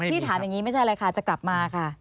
ที่ถามอย่างนี้ไม่ใช่อะไรค่ะจะกลับมาค่ะ